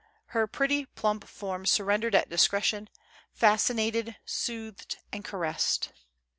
Her pretty, plump form surrendered at discretion, fascinated, soothed and ca ressed.